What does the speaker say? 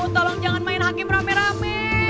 tolong jangan main hakim rame rame